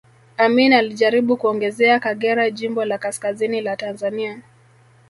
Amin alijaribu kuongezea Kagera jimbo la kaskazini la Tanzania